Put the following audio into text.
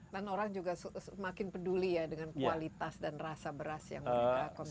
dan orang juga semakin peduli ya dengan kualitas dan rasa beras yang mereka konsumsi